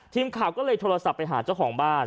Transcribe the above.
ทีมข่าวก็เลยโทรศัพท์ไปหาเจ้าของบ้าน